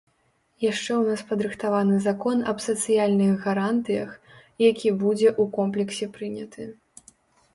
Яшчэ ў нас падрыхтаваны закон аб сацыяльных гарантыях, які будзе ў комплексе прыняты.